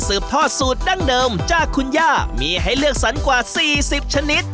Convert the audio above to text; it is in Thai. ทอดสูตรดั้งเดิมจากคุณย่ามีให้เลือกสรรกว่าสี่สิบชนิด